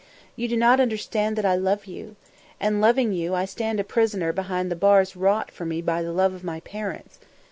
You do not understand that I love you! And, loving you, I stand a prisoner behind the bars wrought for me by the love of my parents.